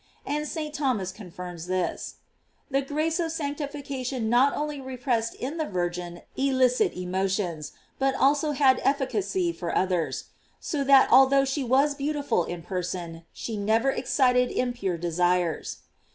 f And St. Thomas confirms this: The grace of sanctification not only repressed in the Virgin illicit emotions, but also had efficacy for others; so that although she was beautiful in person, she never excited impure desires.